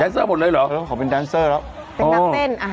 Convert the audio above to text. เซอร์หมดเลยเหรอเออขอเป็นแดนเซอร์แล้วเป็นนักเต้นอ่า